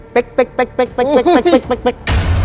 ปิ๊ก